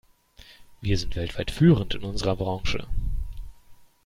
Wir sind weltweit führend in unserer Branche.